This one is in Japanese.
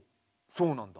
そうなんだ。